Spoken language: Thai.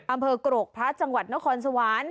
โกรกพระจังหวัดนครสวรรค์